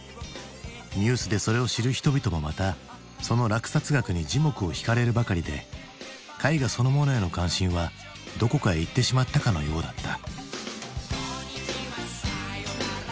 ニュースでそれを知る人々もまたその落札額に耳目をひかれるばかりで絵画そのものへの関心はどこかへいってしまったかのようだった。